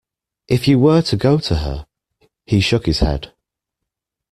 "If you were to go to her;" He shook his head.